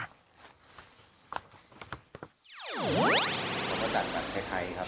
ประจัดแบบไทยครับ